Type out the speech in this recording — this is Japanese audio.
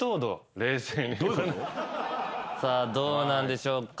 どうなんでしょうか？